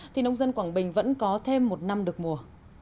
thì nông dân quảng bình vẫn có thêm một năm được mùa